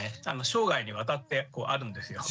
生涯にわたってあるんですよ。